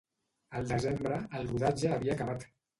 El desembre, el rodatge havia acabat.